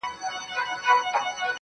راځئ بحث ته د ننوتو لپاره